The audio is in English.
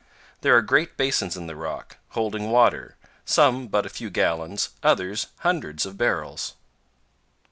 There are great basins in the rock, holding water, some but a few gallons, others hundreds of barrels.